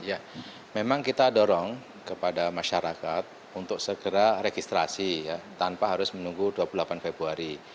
ya memang kita dorong kepada masyarakat untuk segera registrasi ya tanpa harus menunggu dua puluh delapan februari